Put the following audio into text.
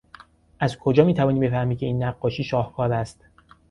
از کجا میتوانی بفهمی که این نقاشی شاهکار است؟